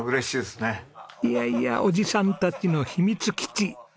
いやいやおじさんたちの秘密基地。